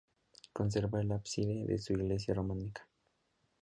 Conserva el ábside de su iglesia románica.